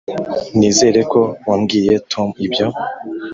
] nizere ko wabwiye tom ibyo. (